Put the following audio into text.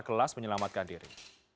kelas menyelamatkan diri